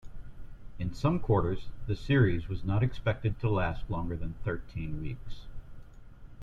In some quarters, the series was not expected to last longer than thirteen weeks.